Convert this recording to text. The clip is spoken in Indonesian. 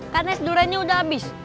kan es durainya udah abis